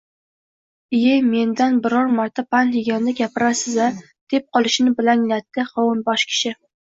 – Ie, mendan biror marta pand yegandek gapirasiz-a, – deb qoshini bilanglatdi qovunbosh kishi